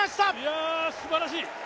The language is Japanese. いや、すばらしい。